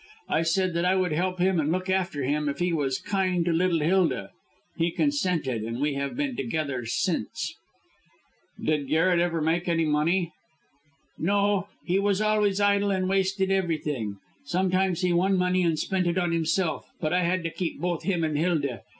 I said that I would help him and look after him if he was kind to little Hilda. He consented, and we have been together ever since." "Did Garret ever make any money?" "No, he was always idle and wasted everything. Sometimes he won money and spent it on himself; but I had to keep both him and Hilda.